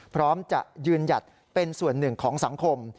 พร้อมจะยืนหยัดเป็นส่วนหนึ่งของสังคม